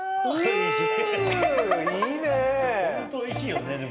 いいね！